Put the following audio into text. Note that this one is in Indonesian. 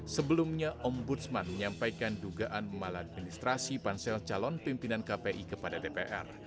sebelumnya om budsman menyampaikan dugaan mal administrasi pansel calon pimpinan kpi kepada dpr